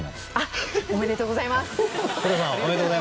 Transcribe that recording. おめでとうございます。